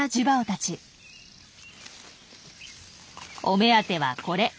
お目当てはこれ。